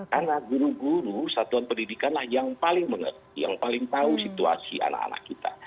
karena guru guru satuan pendidikan lah yang paling tahu situasi anak anak kita